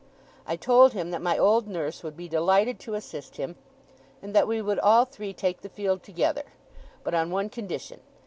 I told him that my old nurse would be delighted to assist him, and that we would all three take the field together, but on one condition.